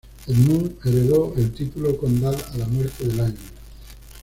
Edmund heredó el título condal a la muerte de Lionel.